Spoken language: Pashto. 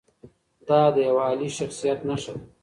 دا د یوه عالي شخصیت نښه ده.